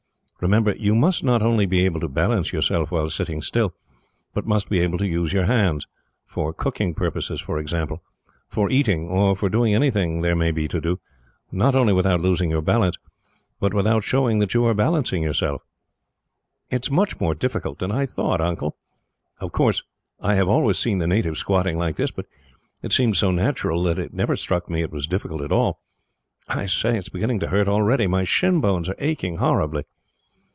Remember, you must not only be able to balance yourself while sitting still, but must be able to use your hands for cooking purposes, for example; for eating; or for doing anything there may be to do not only without losing your balance, but without showing that you are balancing yourself." "It is much more difficult than I thought, Uncle. Of course, I have always seen the natives squatting like this, but it seemed so natural that it never struck me it was difficult at all. I say, it is beginning to hurt already. My shin bones are aching horribly."